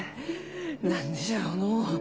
何でじゃろうのう？